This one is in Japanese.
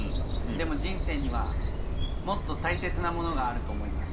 でも人生にはもっと大切なものがあると思います。